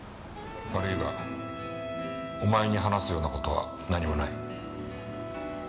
悪いがお前に話すような事は何もない。